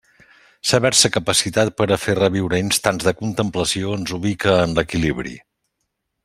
Saber-se capacitat per a fer reviure instants de contemplació ens ubica en l'equilibri.